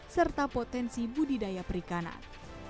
serta potensi budidaya perikanan